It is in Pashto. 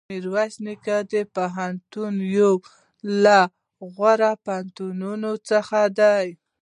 میرویس نیکه پوهنتون یو له غوره پوهنتونونو څخه دی.